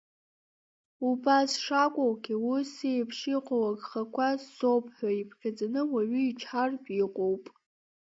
Убас шакәугьы, ус еиԥш иҟоу агхақәа ссоуп ҳәа иԥхьаӡаны уаҩы ичҳартә иҟоуп.